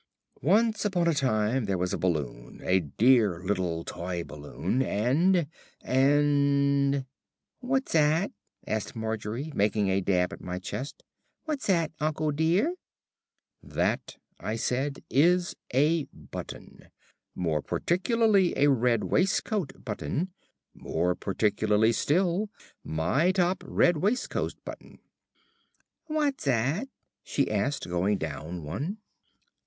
"Once upon a time there was a balloon, a dear little toy balloon, and and " "What's 'at?" asked Margery, making a dab at my chest. "What's 'at, uncle dear?" "That," I said, "is a button. More particularly a red waistcoat button. More particularly still, my top red waistcoat button." "What's 'at?" she asked, going down one.